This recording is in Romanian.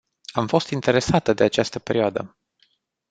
Am fost interesată de această perioadă.